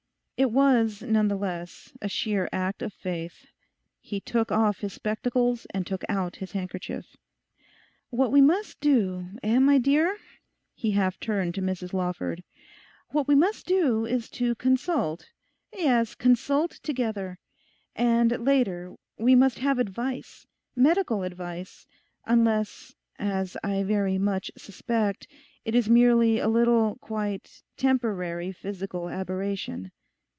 It was, none the less, a sheer act of faith. He took off his spectacles and took out his handkerchief. 'What we must do, eh, my dear,' he half turned to Mrs Lawford, 'what we must do is to consult, yes, consult together. And later—we must have advice—medical advice; unless, as I very much suspect, it is merely a little quite temporary physical aberration.